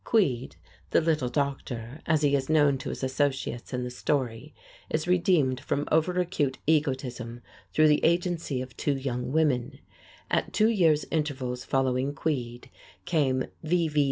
Queed, "the little doctor," as he is known to his associates in the story, is redeemed from over acute egotism through the agency of two young women. At two years' intervals following "Queed," came "V.